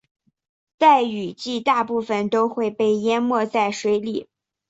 在雨季大部分都会被淹没在水里。